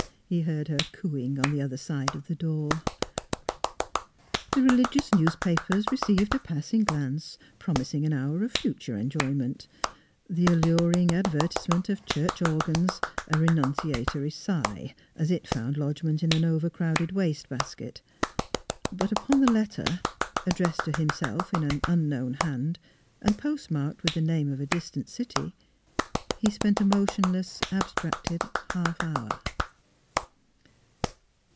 " he heard her cooing on the other side of the door. ... The religious newspapers received a passing glance, promising an hour of future enjoyment; the alluring advertisement of church organs, a renunciatory sigh as it found lodgment in an over crowded waste basket; but upon the letter, ad dressed to himself in an unknown hand and post marked with the name of a distant city, he spent a motionless, abstracted half hour.